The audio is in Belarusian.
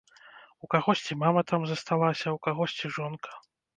У кагосьці мама там засталася, у кагосьці жонка.